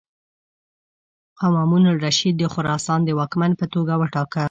مامون الرشید د خراسان د واکمن په توګه وټاکه.